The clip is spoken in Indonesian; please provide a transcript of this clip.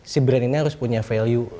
si brand ini harus punya value